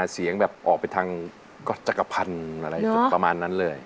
เสียงแบบออกไปทางจักรพันธ์อะไรประมาณนั้นเลย